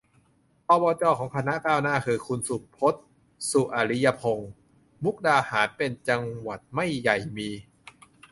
อบจ ของคณะก้าวหน้าคือ คุณสุพจน์ สุอริยพงษ์ มุกดาหารเป็นจังหวัดไม่ใหญ่มี